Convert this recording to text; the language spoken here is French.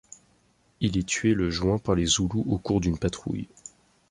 Il est tué le juin par les Zoulous au cours d'une patrouille.